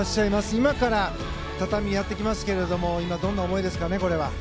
今から畳にやってきますがどんな思いでしょうかね。